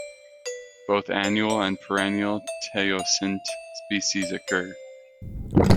Both annual and perennial teosinte species occur.